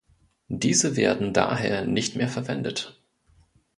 Diese werden daher nicht mehr verwendet.